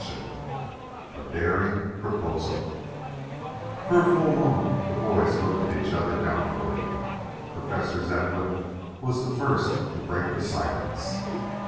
CHAPTER III A DARING PROPOSAL For a full moment the boys looked at each other doubtfully. Professor Zepplin was the first to break the silence.